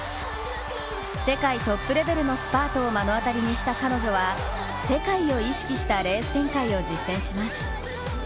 世界トップレベルのスパートを目の当たりにした彼女は世界を意識したレース展開を実践します。